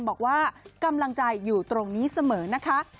บอกว่ากำลังใจอยู่ตรงนี้เสมอนะคะ